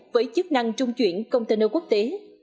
với chức năng trung chuyển container quốc tế